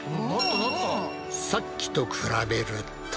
さっきと比べると。